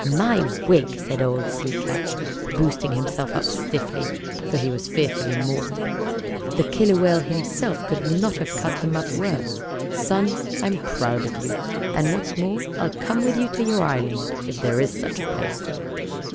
"My wig!" said old Sea Catch, boosting himself up stiffly, for he was fearfully mauled. "The Killer Whale himself could not have cut them up worse. Son, I'm proud of you, and what's more, I'll come with you to your island if there is such a place."